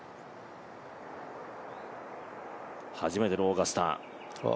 初めてのオーガスタ。